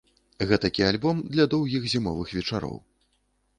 Гэтакі альбом для доўгіх зімовых вечароў.